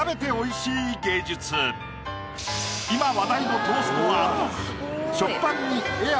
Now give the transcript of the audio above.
今話題のトーストアート。